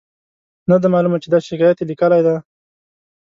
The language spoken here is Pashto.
نه ده معلومه چې دا شکایت یې لیکلی دی.